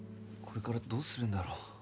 これからどうするんだろう？